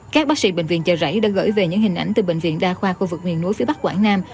các bác sĩ bệnh viện chợ rẫy đã gửi về những hình ảnh từ bệnh viện đa khoa khu vực miền núi phía bắc quảng nam